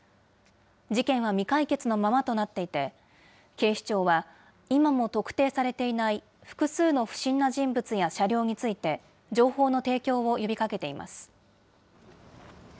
事件は未解決のままとなっていて、警視庁は今も特定されていない複数の不審な人物や車両について、情報の提供を呼びかけています。